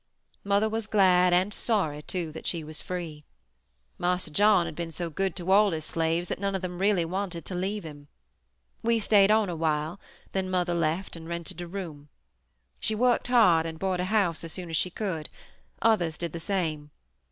"Mother was glad and sorry too that she was free. Marse John had been so good to all his slaves that none of them really wanted to leave him. We stayed on a while, then mother left and rented a room. She worked hard and bought a house as soon as she could; others did the same.